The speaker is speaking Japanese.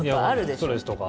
いや、ストレスとか。